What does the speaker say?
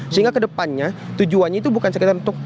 sehingga kedepannya tujuannya itu bukan sekedar untuk